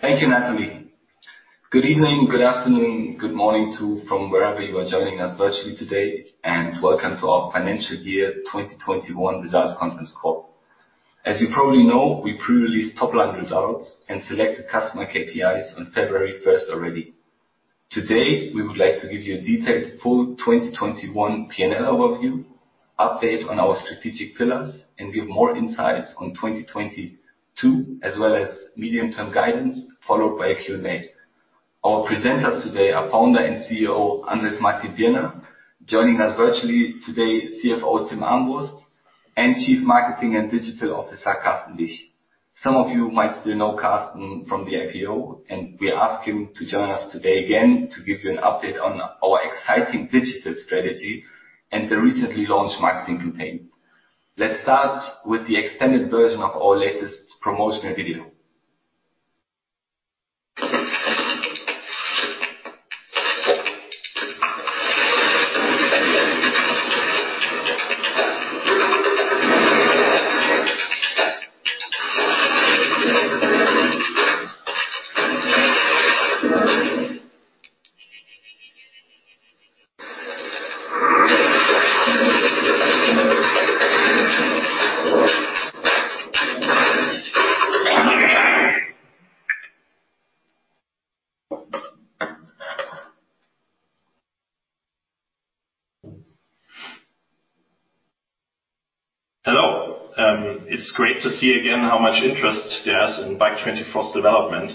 Thank you, Natalie. Good evening, good afternoon, good morning, too, from wherever you are joining us virtually today, and welcome to our financial year 2021 results conference call. As you probably know, we pre-released top line results and selected customer KPIs on February 1st already. Today, we would like to give you a detailed full 2021 P&L overview, update on our strategic pillars, and give more insights on 2022 as well as medium term guidance, followed by a Q&A. Our presenters today are Founder and CEO Andrés Martin-Birner, joining us virtually, CFO Timm Armbrust, and Chief Marketing and Digital Officer Carsten Wich. Some of you might still know Carsten from the IPO, and we ask him to join us today again to give you an update on our exciting digital strategy and the recently launched marketing campaign. Let's start with the extended version of our latest promotional video. Hello. It's great to see again how much interest there is in Bike24's development.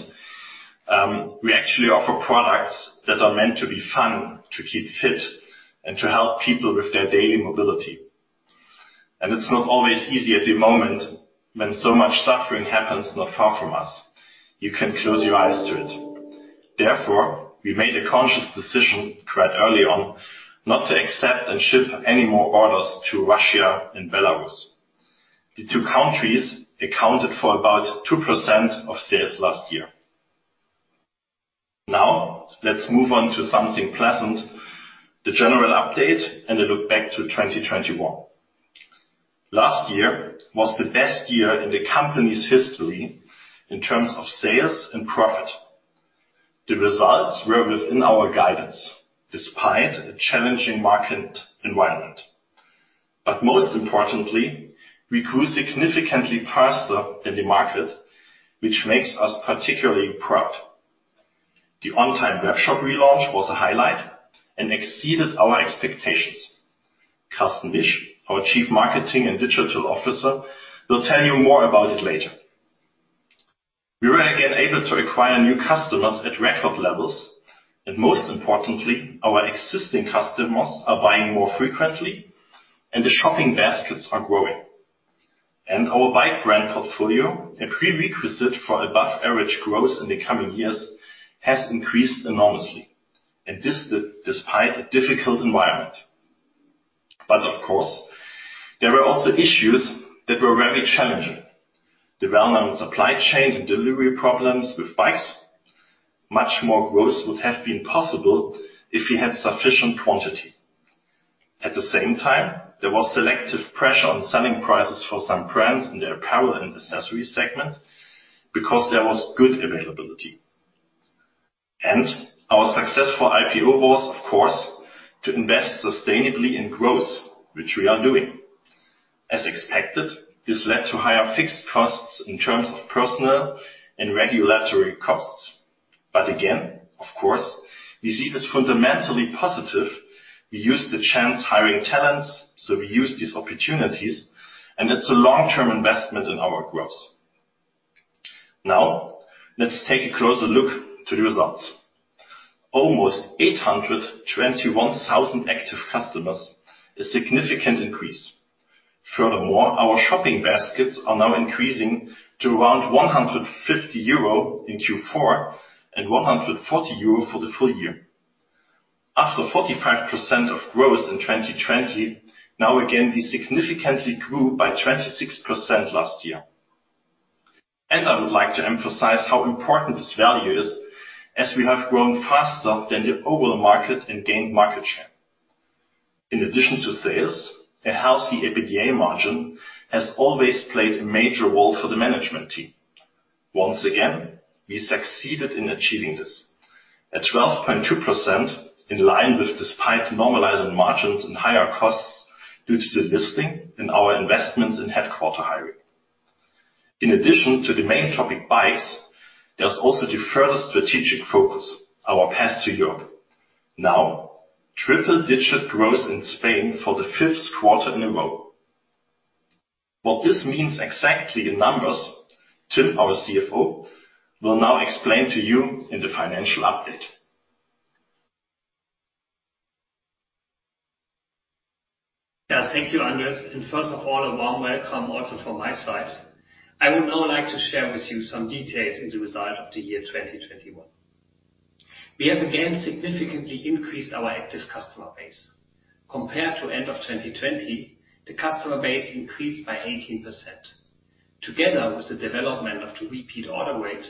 We actually offer products that are meant to be fun, to keep fit, and to help people with their daily mobility. It's not always easy at the moment when so much suffering happens not far from us. You can close your eyes to it. Therefore, we made a conscious decision quite early on not to accept and ship any more orders to Russia and Belarus. The two countries accounted for about 2% of sales last year. Now, let's move on to something pleasant, the general update and a look back to 2021. Last year was the best year in the company's history in terms of sales and profit. The results were within our guidance despite a challenging market environment. Most importantly, we grew significantly faster than the market, which makes us particularly proud. The on-time webshop relaunch was a highlight and exceeded our expectations. Carsten Wich, our Chief Marketing and Digital Officer, will tell you more about it later. We were again able to acquire new customers at record levels, and most importantly, our existing customers are buying more frequently and the shopping baskets are growing. Our bike brand portfolio, a prerequisite for above average growth in the coming years, has increased enormously, and this despite a difficult environment. Of course, there were also issues that were very challenging, the well-known supply chain and delivery problems with bikes. Much more growth would have been possible if we had sufficient quantity. At the same time, there was selective pressure on selling prices for some brands in the apparel and accessories segment because there was good availability. Our successful IPO was, of course, to invest sustainably in growth, which we are doing. As expected, this led to higher fixed costs in terms of personnel and regulatory costs. Again, of course, we see this fundamentally positive. We use the chance hiring talents, so we use these opportunities, and it's a long-term investment in our growth. Now, let's take a closer look to the results. Almost 821,000 active customers, a significant increase. Furthermore, our shopping baskets are now increasing to around 150 euro in Q4, and 140 euro for the full year. After 45% of growth in 2020, now again, we significantly grew by 26% last year. I would like to emphasize how important this value is as we have grown faster than the overall market and gained market share. In addition to sales, a healthy EBITDA margin has always played a major role for the management team. Once again, we succeeded in achieving this at 12.2% in line with despite normalizing margins and higher costs due to the listing and our investments in headcount hiring. In addition to the main topic, bikes, there's also the further strategic focus, our path to Europe. Now, triple-digit growth in Spain for the fifth quarter in a row. What this means exactly in numbers, Timm Armbrust, our CFO, will now explain to you in the financial update. Yeah. Thank you, Andrés. First of all, a warm welcome also from my side. I would now like to share with you some details on the results of the year 2021. We have again significantly increased our active customer base. Compared to end of 2020, the customer base increased by 18%. Together with the development of the repeat order rate,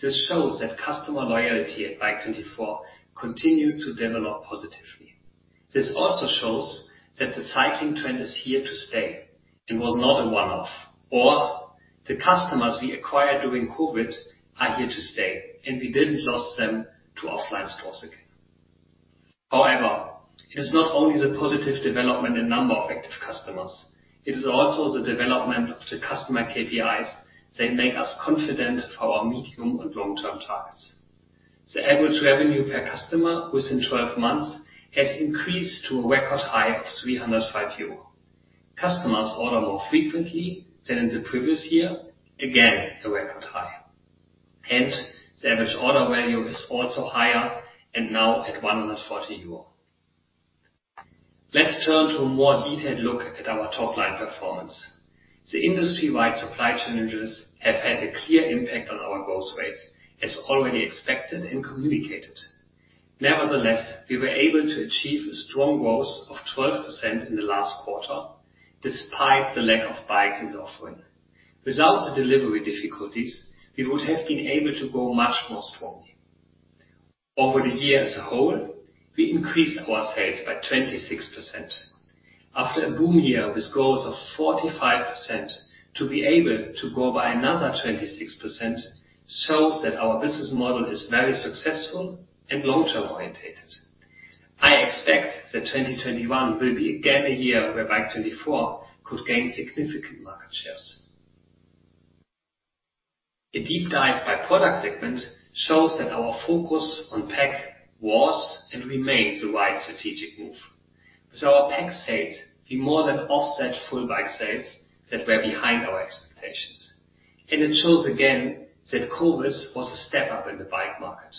this shows that customer loyalty at Bike24 continues to develop positively. This also shows that the cycling trend is here to stay and was not a one-off, or the customers we acquired during COVID are here to stay, and we didn't lose them to offline stores again. However, it is not only the positive development in number of active customers, it is also the development of the customer KPIs. They make us confident for our medium and long-term targets. The average revenue per customer within 12 months has increased to a record high of 305 euro. Customers order more frequently than in the previous year, again, a record high. The average order value is also higher and now at 140 euro. Let's turn to a more detailed look at our top-line performance. The industry-wide supply challenges have had a clear impact on our growth rates as already expected and communicated. Nevertheless, we were able to achieve a strong growth of 12% in the last quarter despite the lack of bikes in the offering. Without the delivery difficulties, we would have been able to grow much more strongly. Over the year as a whole, we increased our sales by 26%. After a boom year with growth of 45%, to be able to grow by another 26% shows that our business model is very successful and long-term oriented. I expect that 2021 will be again a year where Bike24 could gain significant market shares. A deep dive by product segment shows that our focus on PAC was and remains the right strategic move. With our PAC sales, we more than offset full bike sales that were behind our expectations. It shows again that COVID was a step up in the bike market.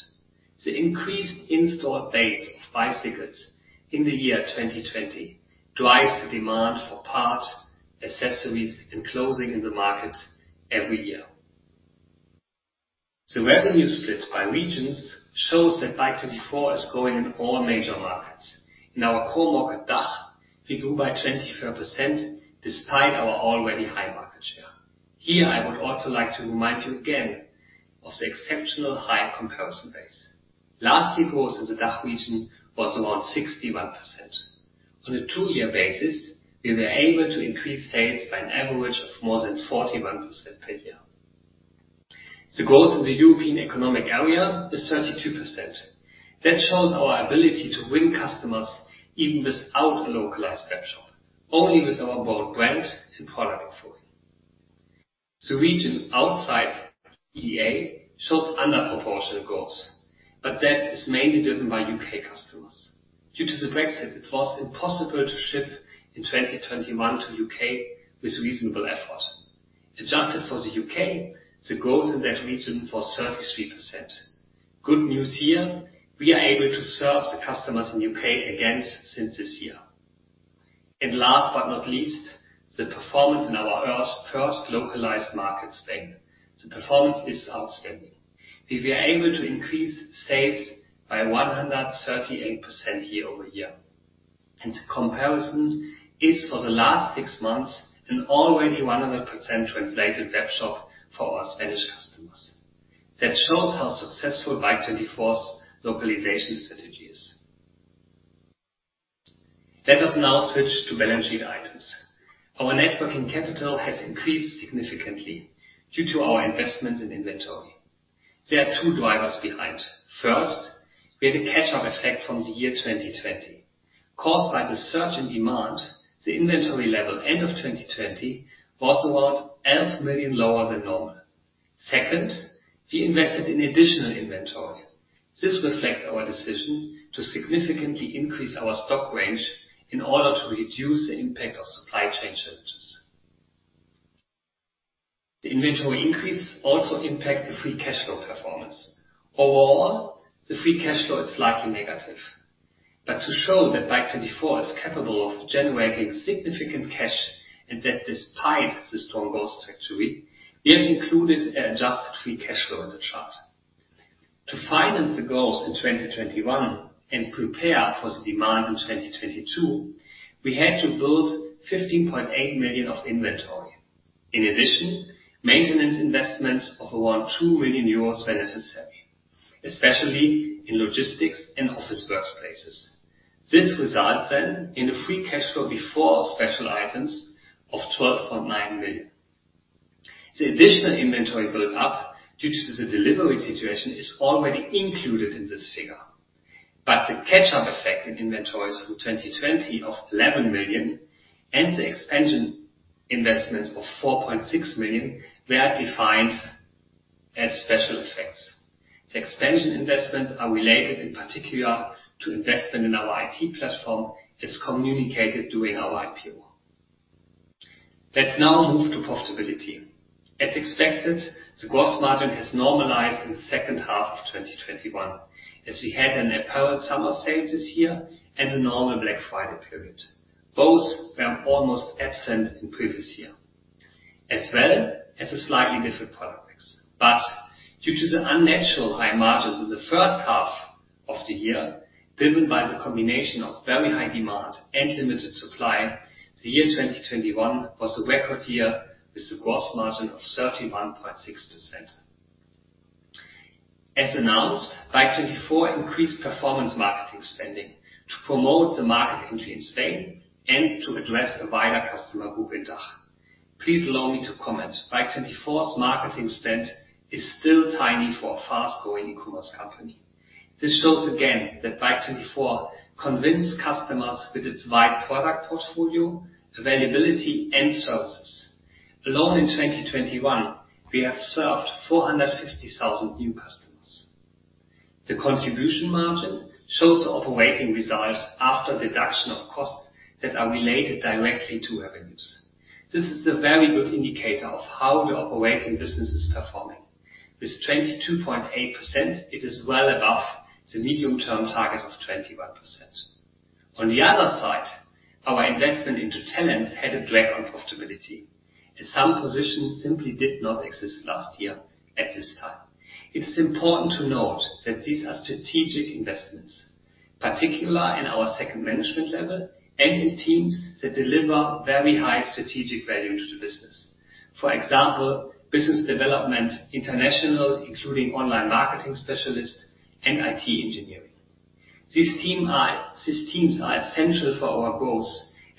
The increased installed base of bicycles in the year 2020 drives the demand for parts, accessories, and clothing in the market every year. The revenue split by regions shows that Bike24 is growing in all major markets. In our core market, DACH, we grew by 24% despite our already high market share. Here I would also like to remind you again of the exceptional high comparison base. Last year growth in the DACH region was around 61%. On a two-year basis, we were able to increase sales by an average of more than 41% per year. The growth in the European Economic Area is 32%. That shows our ability to win customers even without a localized webshop, only with our bold brand and product offering. The region outside EEA shows under proportional growth, but that is mainly driven by U.K. customers. Due to the Brexit, it was impossible to ship to the U.K. in 2021 with reasonable effort. Adjusted for the U.K., the growth in that region was 33%. Good news here. We are able to serve the customers in the U.K. again since this year. Last but not least, the performance in our first localized market, Spain. The performance is outstanding. We were able to increase sales by 138% year-over-year. The comparison is for the last six months an already 100% translated webshop for our Spanish customers. That shows how successful Bike24's localization strategy is. Let us now switch to balance sheet items. Our net working capital has increased significantly due to our investment in inventory. There are two drivers behind. First, we had a catch-up effect from the year 2020. Caused by the surge in demand, the inventory level end of 2020 was around 11 million lower than normal. Second, we invested in additional inventory. This reflects our decision to significantly increase our stock range in order to reduce the impact of supply chain challenges. The inventory increase also impacts the free cash flow performance. Overall, the free cash flow is slightly negative. To show that Bike24 is capable of generating significant cash and that despite the strong growth trajectory, we have included adjusted free cash flow in the chart. To finance the growth in 2021 and prepare for the demand in 2022, we had to build 15.8 million of inventory. In addition, maintenance investments of around 2 million euros were necessary, especially in logistics and office workplaces. This results in a free cash flow before special items of 12.9 million. The additional inventory build-up due to the delivery situation is already included in this figure. The catch-up effect in inventories for 2020 of 11 million and the expansion investments of 4.6 million were defined as special effects. The expansion investments are related in particular to investment in our IT platform that's communicated during our IPO. Let's now move to profitability. As expected, the gross margin has normalized in the second half of 2021, as we had an apparent summer sales this year and the normal Black Friday period. Both were almost absent in previous year, as well as a slightly different product mix. Due to the unnaturally high margins in the first half of the year, driven by the combination of very high demand and limited supply, the year 2021 was a record year with a gross margin of 31.6%. As announced, Bike24 increased performance marketing spending to promote the market entry in Spain and to address a wider customer group in DACH. Please allow me to comment. Bike24's marketing spend is still tiny for a fast-growing ecommerce company. This shows again that Bike24 convinces customers with its wide product portfolio, availability, and services. Alone in 2021, we have served 450,000 new customers. The contribution margin shows the operating results after deduction of costs that are related directly to revenues. This is a very good indicator of how we operate, and business is performing. With 22.8%, it is well above the medium-term target of 21%. On the other side, our investment into talent had a drag on profitability, and some positions simply did not exist last year at this time. It is important to note that these are strategic investments, particularly in our second management level and in teams that deliver very high strategic value to the business. For example, business development international, including online marketing specialists and IT engineering. These teams are essential for our growth,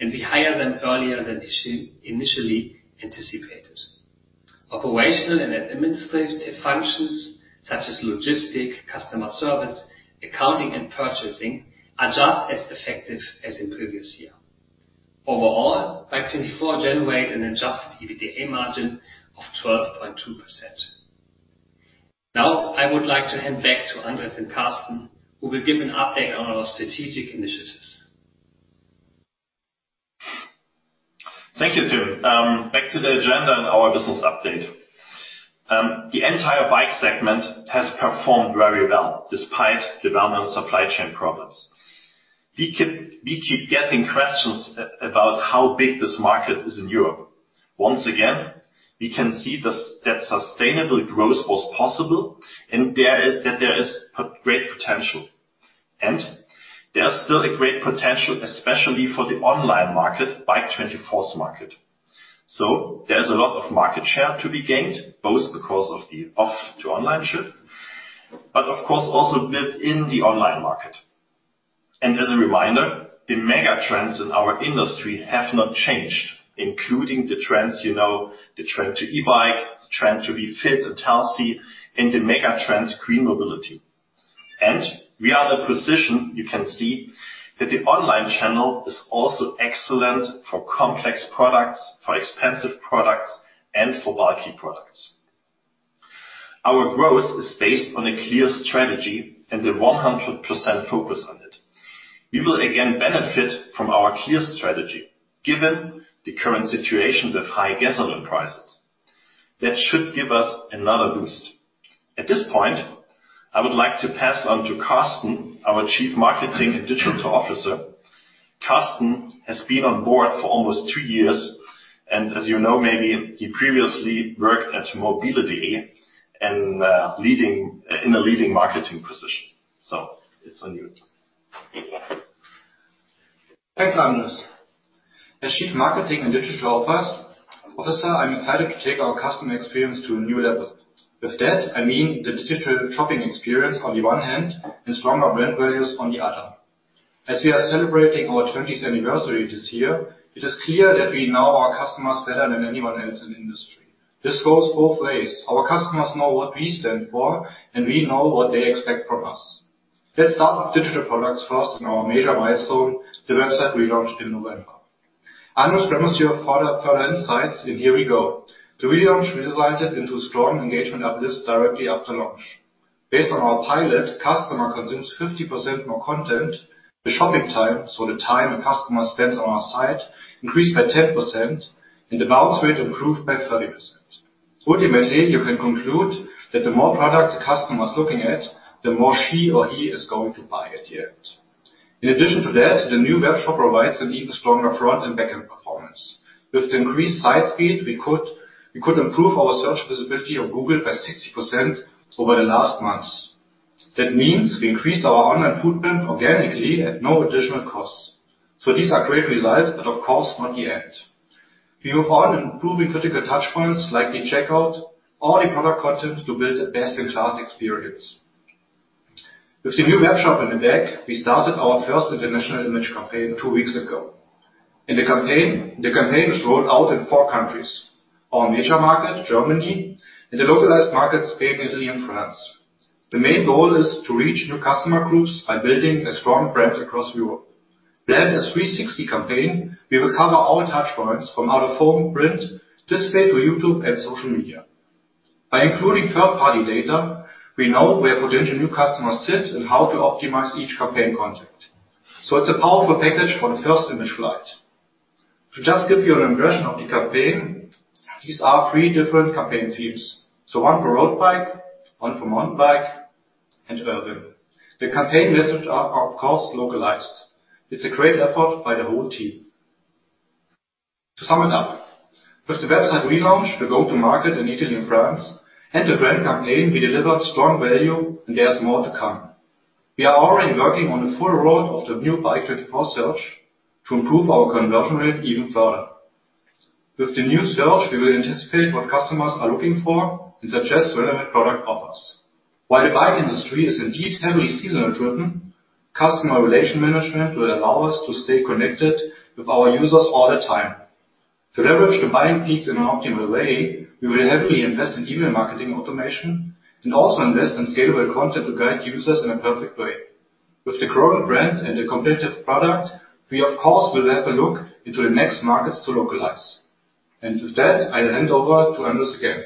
and we hire them earlier than initially anticipated. Operational and administrative functions, such as logistics, customer service, accounting, and purchasing, are just as effective as in previous year. Overall, Bike24 generates an adjusted EBITDA margin of 12.2%. Now I would like to hand back to Andrés and Carsten, who will give an update on our strategic initiatives. Thank you, Tim. Back to the agenda and our business update. The entire bike segment has performed very well despite the dominant supply chain problems. We keep getting questions about how big this market is in Europe. Once again, we can see that sustainable growth was possible and there is a great potential. There's still a great potential, especially for the online market, Bike24's market. There's a lot of market share to be gained, both because of the offline to online shift, but of course also within the online market. As a reminder, the mega trends in our industry have not changed, including the trends you know, the trend to e-bike, the trend to be fit and healthy, and the mega trend, green mobility. We are in the position, you can see, that the online channel is also excellent for complex products, for expensive products, and for bulky products. Our growth is based on a clear strategy and a 100% focus on it. We will again benefit from our clear strategy, given the current situation with high gasoline prices. That should give us another boost. At this point, I would like to pass on to Carsten, our Chief Marketing and Digital Officer. Carsten has been on board for almost two years, and as you know maybe, he previously worked at Mobility in a leading marketing position. It's on you. Thanks, Andrés. As Chief Marketing and Digital Officer, I'm excited to take our customer experience to a new level. With that, I mean the digital shopping experience on the one hand and stronger brand values on the other. As we are celebrating our twentieth anniversary this year, it is clear that we know our customers better than anyone else in the industry. This goes both ways. Our customers know what we stand for, and we know what they expect from us. Let's start with digital products first and our major milestone, the website relaunch in November. Andrés promised you further insights, and here we go. The relaunch redesigned it into a strong engagement uplift directly after launch. Based on our pilot, customer consumes 50% more content. The shopping time, so the time a customer spends on our site, increased by 10%, and the bounce rate improved by 30%. Ultimately, you can conclude that the more products the customer is looking at, the more she or he is going to buy at the end. In addition to that, the new webshop provides an even stronger front and back-end performance. With the increased site speed, we could improve our search visibility on Google by 60% over the last months. That means we increased our online footprint organically at no additional cost. These are great results, but of course not the end. We move on improving critical touchpoints like the checkout or the product content to build a best-in-class experience. With the new webshop in the bag, we started our first international image campaign two weeks ago. In the campaign, the campaign was rolled out in four countries, our major market, Germany, and the localized markets, Spain, Italy, and France. The main goal is to reach new customer groups by building a strong brand across Europe. As 360 campaign, we will cover all touchpoints from out-of-home print, display to YouTube and social media. By including third-party data, we know where potential new customers sit and how to optimize each campaign contact. It's a powerful package for the first image flight. To just give you an impression of the campaign, these are three different campaign themes. One for road bike, one for mountain bike, and urban. The campaign message are, of course, localized. It's a great effort by the whole team. To sum it up, with the website relaunch, the go-to-market in Italy and France, and the brand campaign, we delivered strong value, and there's more to come. We are already working on the full rollout of the new Bike24 search to improve our conversion rate even further. With the new search, we will anticipate what customers are looking for and suggest relevant product offers. While the bike industry is indeed heavily seasonally driven, customer relationship management will allow us to stay connected with our users all the time. To leverage the buying peaks in an optimal way, we will heavily invest in email marketing automation and also invest in scalable content to guide users in a perfect way. With the growing brand and the competitive product, we of course will have a look into the next markets to localize. With that, I'll hand over to Andrés again.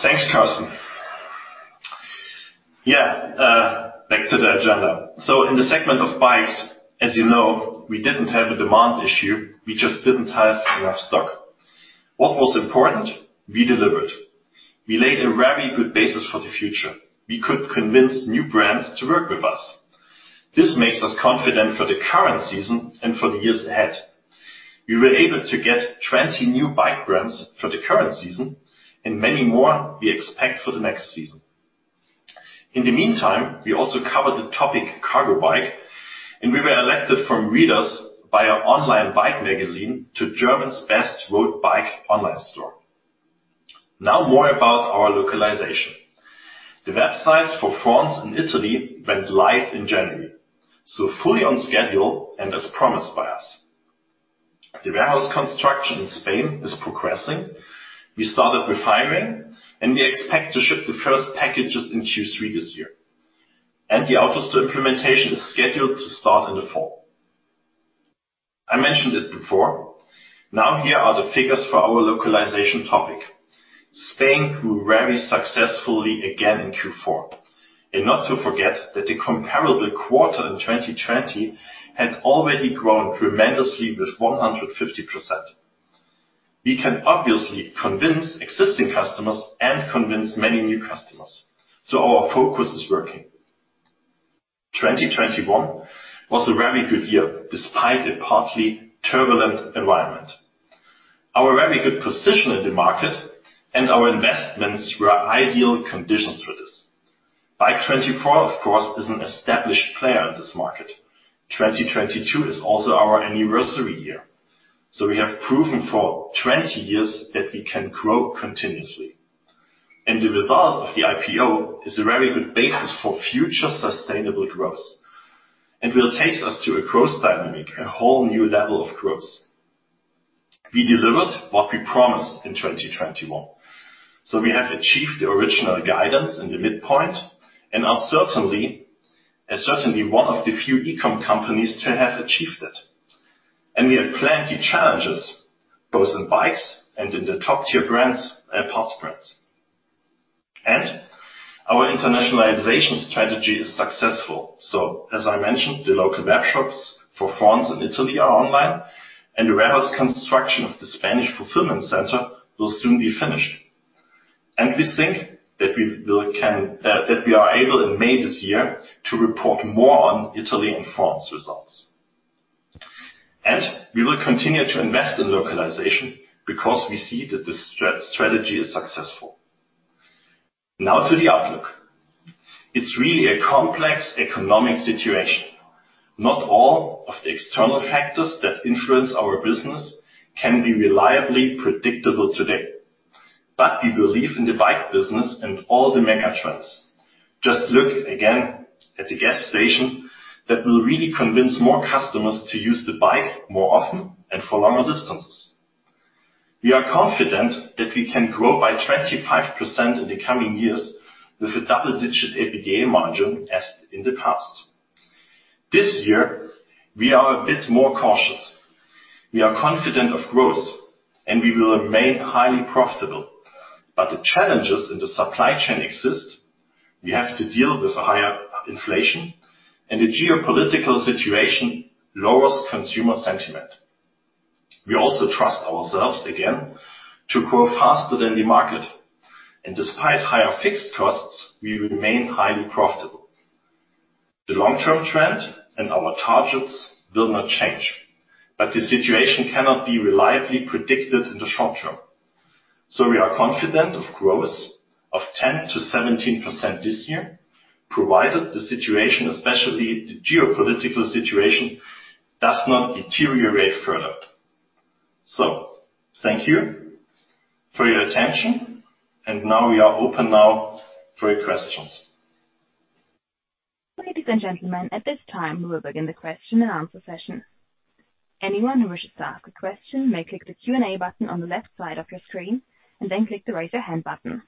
Thanks, Carsten. Yeah, back to the agenda. In the segment of bikes, as you know, we didn't have a demand issue. We just didn't have enough stock. What was important, we delivered. We laid a very good basis for the future. We could convince new brands to work with us. This makes us confident for the current season and for the years ahead. We were able to get 20 new bike brands for the current season and many more we expect for the next season. In the meantime, we also covered the topic cargo bike, and we were elected from readers by our online bike magazine to Germany's Best Road Bike Online Store. Now more about our localization. The websites for France and Italy went live in January, so fully on schedule and as promised by us. The warehouse construction in Spain is progressing. We started with hiring, and we expect to ship the first packages in Q3 this year. The AfterStore implementation is scheduled to start in the fall. I mentioned it before. Now here are the figures for our localization topic. Spain grew very successfully again in Q4. Not to forget that the comparable quarter in 2020 had already grown tremendously with 150%. We can obviously convince existing customers and convince many new customers. Our focus is working. 2021 was a very good year despite a partly turbulent environment. Our very good position in the market and our investments were ideal conditions for this. Bike24, of course, is an established player in this market. 2022 is also our anniversary year. We have proven for 20 years that we can grow continuously. The result of the IPO is a very good basis for future sustainable growth and will take us to a growth dynamic, a whole new level of growth. We delivered what we promised in 2021. We have achieved the original guidance in the midpoint and are certainly one of the few e-com companies to have achieved it. We have plenty challenges, both in bikes and in the top-tier brands and parts brands. Our internationalization strategy is successful. As I mentioned, the local webshops for France and Italy are online, and the warehouse construction of the Spanish fulfillment center will soon be finished. We think that we are able in May this year to report more on Italy and France results. We will continue to invest in localization because we see that the strategy is successful. Now to the outlook. It's really a complex economic situation. Not all of the external factors that influence our business can be reliably predictable today. We believe in the bike business and all the mega trends. Just look again at the gas prices that will really convince more customers to use the bike more often and for longer distances. We are confident that we can grow by 25% in the coming years with a double-digit EBITDA margin as in the past. This year, we are a bit more cautious. We are confident of growth, and we will remain highly profitable. The challenges in the supply chain exist. We have to deal with a higher inflation, and the geopolitical situation lowers consumer sentiment. We also trust ourselves again to grow faster than the market. Despite higher fixed costs, we will remain highly profitable. The long-term trend and our targets will not change, but the situation cannot be reliably predicted in the short term. We are confident of growth of 10%-17% this year, provided the situation, especially the geopolitical situation, does not deteriorate further. Thank you for your attention, and now we are open for your questions. Ladies and gentlemen, at this time, we will begin the question and answer session. Anyone who wishes to ask a question may click the Q&A button on the left side of your screen and then click the Raise Your Hand button.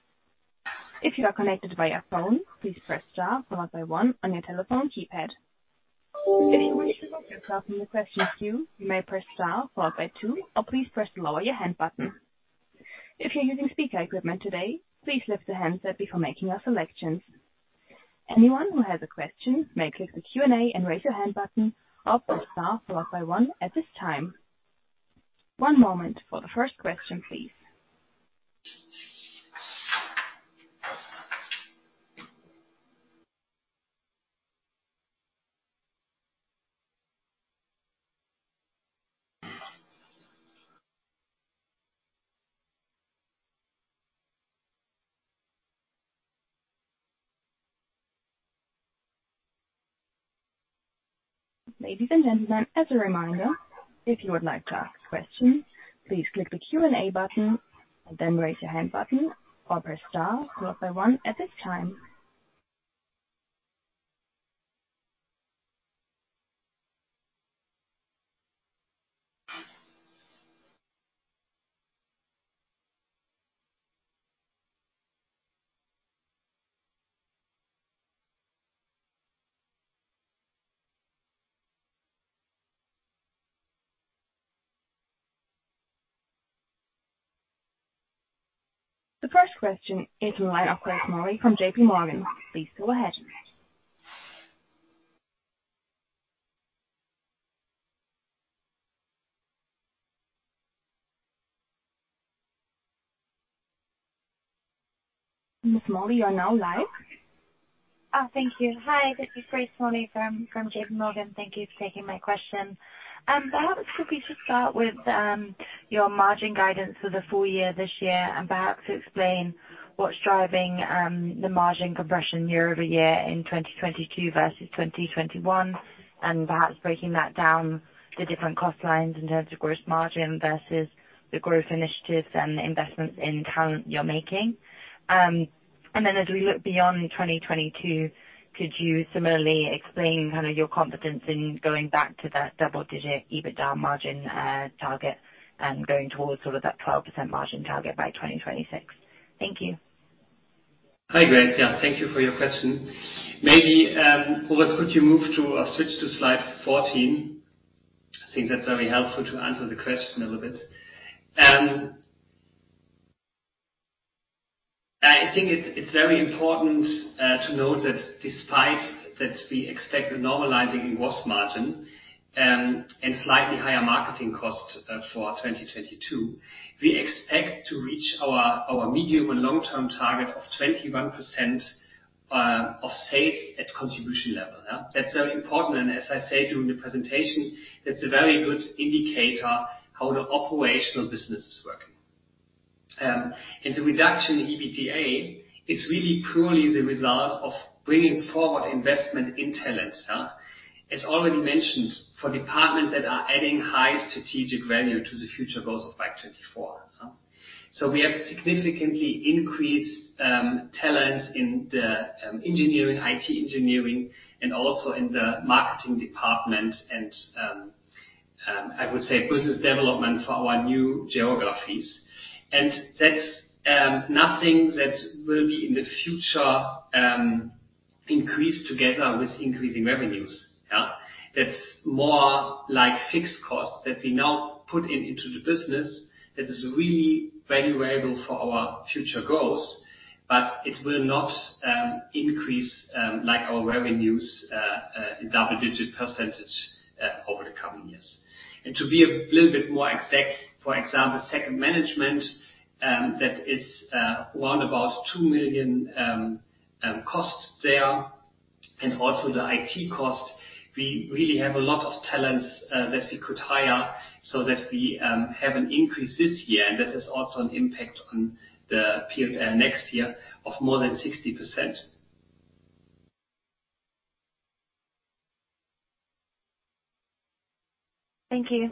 If you are connected via phone, please press star followed by one on your telephone keypad. If you wish to remove yourself from the question queue, you may press star followed by two or please press the Lower Your Hand button. If you're using speaker equipment today, please lift the handset before making your selections. Anyone who has a question may click the Q&A and Raise Your Hand button or press star followed by one at this time. One moment for the first question, please. Ladies and gentlemen, as a reminder, if you would like to ask questions, please click the Q&A button and then Raise Your Hand button or press star followed by one at this time. The first question is the line of Grace Morley from JPMorgan. Please go ahead. Ms. Morley, you are now live. Thank you. Hi, this is Grace Morley from JP Morgan. Thank you for taking my question. Perhaps could we just start with your margin guidance for the full year this year and perhaps explain what's driving the margin compression year-over-year in 2022 versus 2021, and perhaps breaking that down the different cost lines in terms of gross margin versus the growth initiatives and the investments in talent you're making. As we look beyond 2022, could you similarly explain kind of your confidence in going back to that double-digit EBITDA margin target and going towards sort of that 12% margin target by 2026? Thank you. Hi, Grace. Yeah, thank you for your question. Maybe, could you move to or switch to slide 14? I think that's very helpful to answer the question a little bit. I think it's very important to note that despite that we expect a normalizing gross margin and slightly higher marketing costs for 2022, we expect to reach our medium and long-term target of 21% of sales at contribution level. That's very important, and as I said during the presentation, that's a very good indicator how the operational business is working. The reduction in EBITDA is really purely the result of bringing forward investment in talents. As already mentioned, for departments that are adding high strategic value to the future goals of Bike24. We have significantly increased talent in the engineering, IT engineering, and also in the marketing department and I would say business development for our new geographies. That's nothing that will be in the future increased together with increasing revenues, yeah. That's more like fixed costs that we now put into the business that is really valuable for our future growth, but it will not increase like our revenues in double-digit % over the coming years. To be a little bit more exact, for example, senior management that is around 2 million costs there, and also the IT costs. We really have a lot of talents that we could hire so that we have an increase this year and that has also an impact on the next year of more than 60%. Thank you.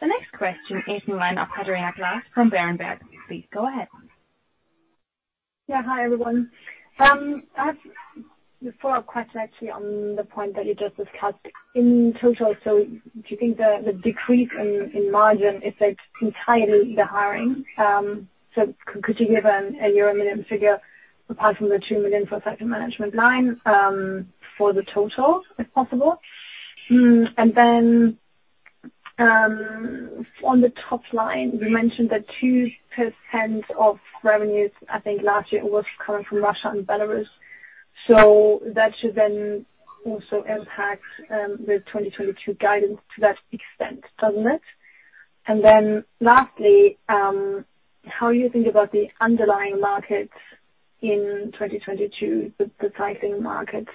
The next question is in line of Adriana Glass from Berenberg. Please go ahead. Yeah. Hi, everyone. I have the follow-up question actually on the point that you just discussed. In total, do you think the decrease in margin is like entirely the hiring? Could you give a EUR minimum figure apart from the 2 million for second management line, for the total, if possible? On the top line, you mentioned that 2% of revenues, I think last year, was coming from Russia and Belarus. That should then also impact the 2022 guidance to that extent, doesn't it? How you think about the underlying markets in 2022, the cycling market.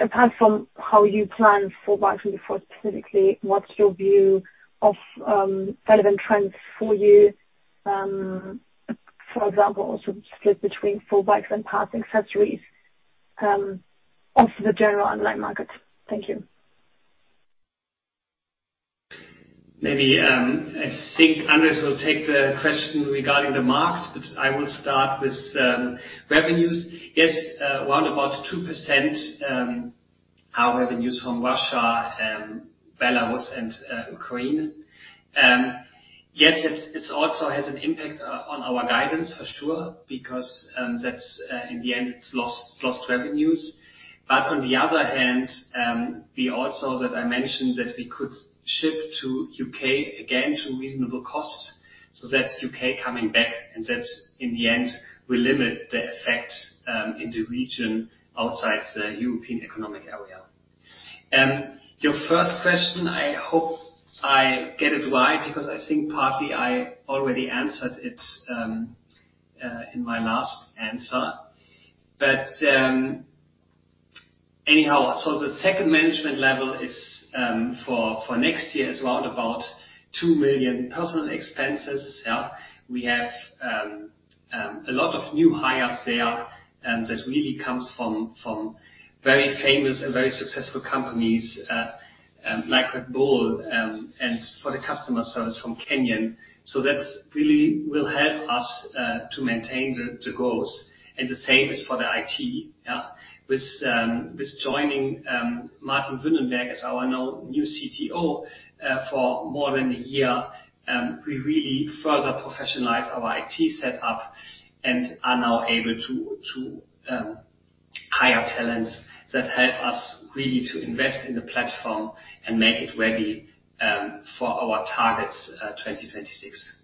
Apart from how you plan for Bike24 specifically, what's your view of relevant trends for you, for example, sort of split between full bikes and parts, accessories, of the general online market? Thank you. Maybe, I think Andrés will take the question regarding the market, but I will start with revenues. Yes, around about 2%, our revenues from Russia, Belarus and Ukraine. Yes, it also has an impact on our guidance for sure because that's in the end it's lost revenues. On the other hand, we also that I mentioned that we could ship to U.K. again to reasonable costs. That's U.K. coming back, and that in the end will limit the effect in the region outside the European Economic Area. Your first question, I hope I get it right because I think partly I already answered it in my last answer. Anyhow, so the second management level is for next year around about 2 million personnel expenses, yeah. We have a lot of new hires there, and that really comes from very famous and very successful companies like Red Bull and for the customer service from Canyon. That really will help us to maintain the goals. The same is for the IT, yeah. With joining Martin Wünnenberg as our now new CTO for more than a year, we really further professionalize our IT set up and are now able to hire talents that help us really to invest in the platform and make it ready for our targets 2026.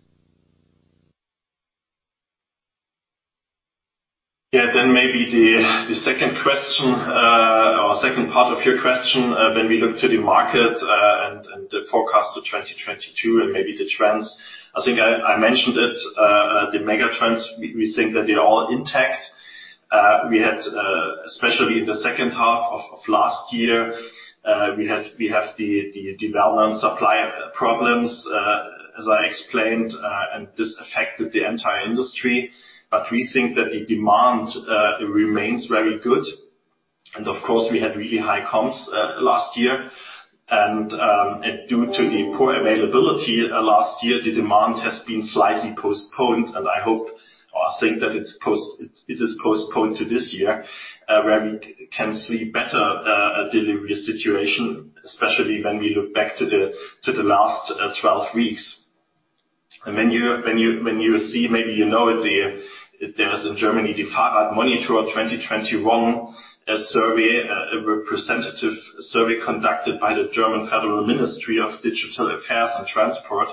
Yeah. Maybe the second question or second part of your question, when we look to the market and the forecast for 2022 and maybe the trends, I think I mentioned it, the mega trends, we think that they're all intact. We had, especially in the second half of last year, the development supply problems, as I explained, and this affected the entire industry. We think that the demand remains very good. Of course, we had really high comps last year. Due to the poor availability last year, the demand has been slightly postponed, and I hope or think that it is postponed to this year, where we can see better delivery situation, especially when we look back to the last 12 weeks. When you see maybe you know it, there was a Fahrrad-Monitor 2021, a representative survey conducted by the German Federal Ministry for Digital and Transport.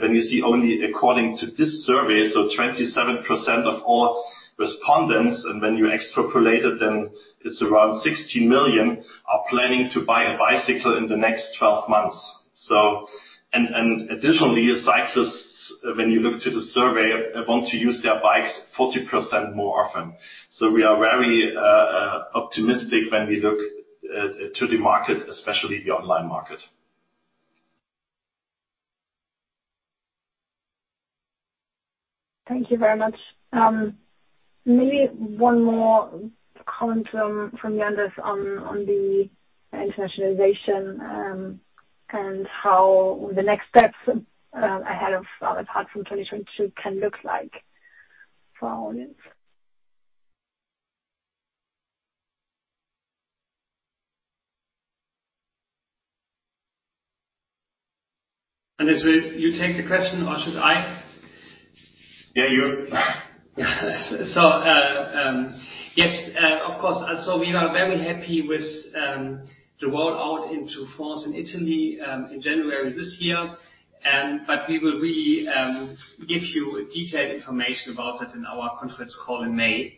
When you see only according to this survey, 27% of all respondents, and when you extrapolate it, then it's around 60 million are planning to buy a bicycle in the next 12 months. Additionally, cyclists, when you look to the survey, want to use their bikes 40% more often. We are very optimistic when we look to the market, especially the online market. Thank you very much. Maybe one more comment from Andrés Martin-Birner on the internationalization, and how the next steps ahead of apart from 2022 can look like for our audience. As well, will you take the question or should I? Yeah, you. Yes, of course. We are very happy with the rollout into France and Italy in January this year. We will really give you detailed information about it in our conference call in May.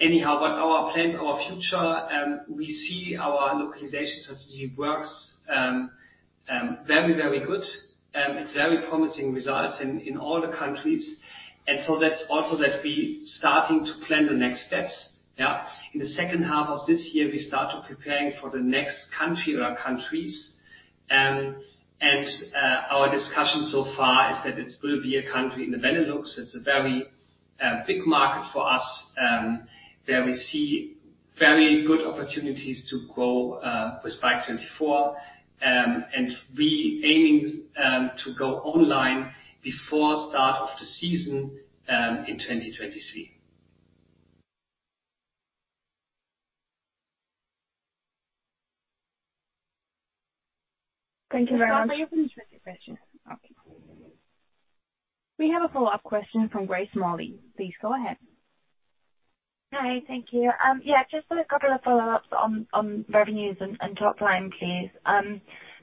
Anyhow, our plan for our future, we see our localization strategy works very, very good. It's very promising results in all the countries. That's also that we starting to plan the next steps, yeah. In the second half of this year, we start to preparing for the next country or countries. Our discussion so far is that it will be a country in the Benelux. It's a very big market for us, where we see very good opportunities to grow with Bike24. We're aiming to go online before the start of the season in 2023. Thank you very much. We have a follow-up question from Grace Morley. Please go ahead. Hi. Thank you. Just a couple of follow-ups on revenues and top line, please.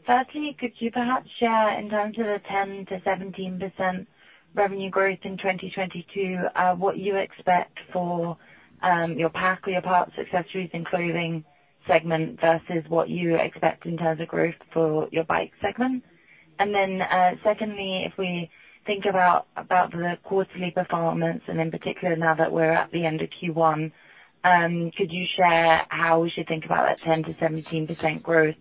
Firstly, could you perhaps share in terms of the 10%-17% revenue growth in 2022, what you expect for your PAC or your parts, accessories and clothing segment versus what you expect in terms of growth for your bike segment? Secondly, if we think about the quarterly performance and in particular now that we're at the end of Q1, could you share how we should think about that 10%-17% growth,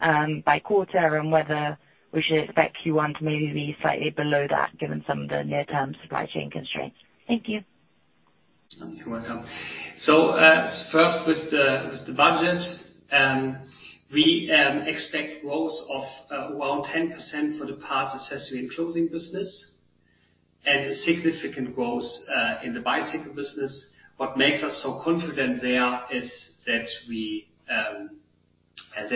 by quarter and whether we should expect Q1 to maybe be slightly below that given some of the near-term supply chain constraints? Thank you. You're welcome. First with the budget, we expect growth of around 10% for the parts, accessories, and clothing business, and a significant growth in the bicycle business. What makes us so confident there is that we have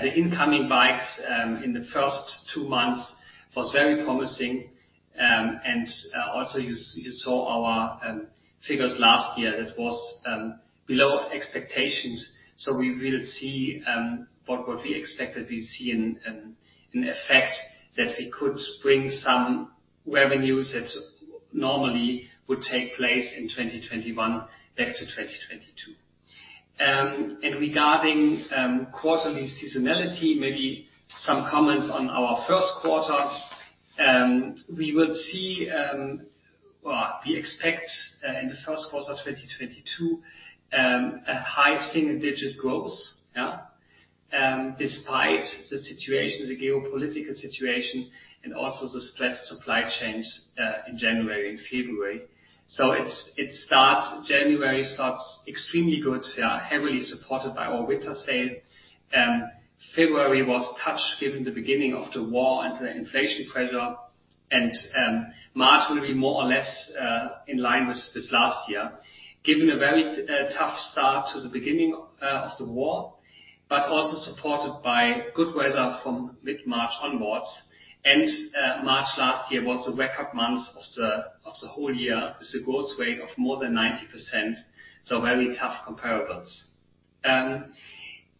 the incoming bikes in the first two months was very promising. Also you saw our figures last year that was below expectations. We will see what would be expected. We see in effect that we could bring some revenues that normally would take place in 2021 back to 2022. Regarding quarterly seasonality, maybe some comments on our first quarter. We expect in the first quarter 2022 a high single digit growth, yeah. Despite the situation, the geopolitical situation and also the stressed supply chains in January and February. January starts extremely good, yeah, heavily supported by our winter sale. February was touched given the beginning of the war and the inflation pressure. March will be more or less in line with last year, given a very tough start to the beginning of the war, but also supported by good weather from mid-March onwards. March last year was the wake-up month of the whole year with a growth rate of more than 90%. Very tough comparables.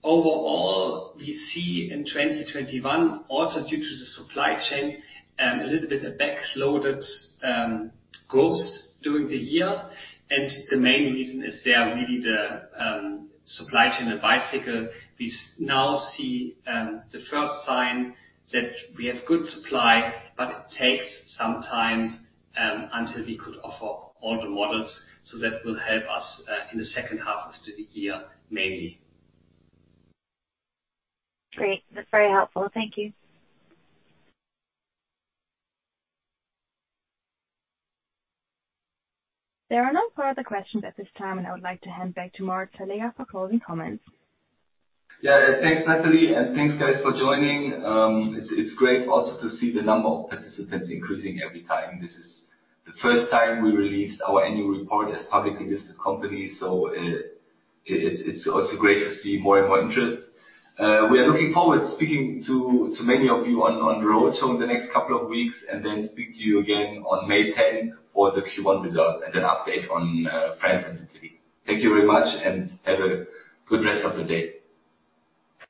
Overall, we see in 2022, also due to the supply chain, a little bit of backloaded growth during the year. The main reason is there really the supply chain and bicycle. We now see the first sign that we have good supply, but it takes some time until we could offer all the models. That will help us in the second half of the year, mainly. Great. That's very helpful. Thank you. There are no further questions at this time, and I would like to hand back to Marc Talea for closing comments. Yeah. Thanks, Natalie, and thanks guys for joining. It's great also to see the number of participants increasing every time. This is the first time we released our annual report as a publicly listed company. It's also great to see more and more interest. We are looking forward to speaking to many of you on road show in the next couple of weeks and then speak to you again on May 10th for the Q1 results and an update on France and Italy. Thank you very much and have a good rest of the day.